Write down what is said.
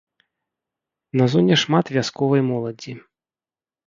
На зоне шмат вясковай моладзі.